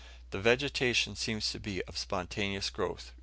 The vegetation seems to be of spontaneous growth.